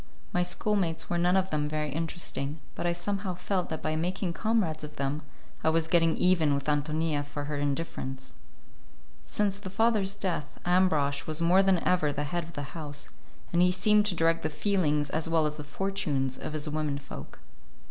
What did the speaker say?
My schoolmates were none of them very interesting, but I somehow felt that by making comrades of them I was getting even with Ántonia for her indifference. Since the father's death, Ambrosch was more than ever the head of the house and he seemed to direct the feelings as well as the fortunes of his women folk.